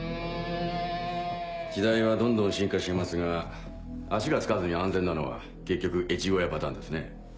時代はどんどん進化しますが足がつかずに安全なのは結局越後屋パターンですね。